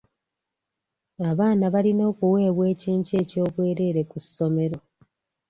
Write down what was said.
Abaana balina okuweebwa ekyenkya eky'obwereere ku ssomero.